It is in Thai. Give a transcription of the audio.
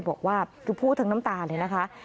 บอกว่าคือพูดทั้งน้ำตาเลยนะคะ